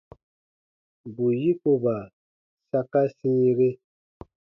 Bù yikoba saka sĩire.